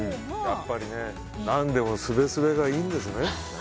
やっぱり何でもすべすべがいいんですね。